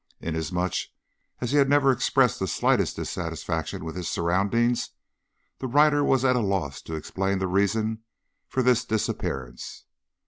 Inasmuch as he had never expressed the slightest dissatisfaction with his surroundings, the writer was at a loss to explain the reason for this disappearance.